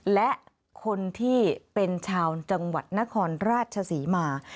และคนที่เป็นชาวจังหวัดนครราชศรีมา